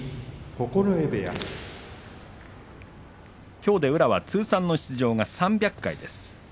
きょうで宇良は通算出場が３００回です。